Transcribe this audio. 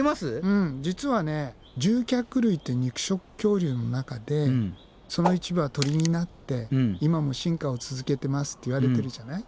うん実は獣脚類って肉食恐竜の中でその一部は鳥になって今も進化を続けてますって言われてるじゃない。